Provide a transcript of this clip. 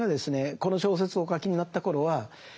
この小説をお書きになった頃はほう。